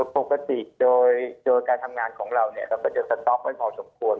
ปกติโดยการทำงานของเราเราก็จะสต๊อกไว้พอสมควร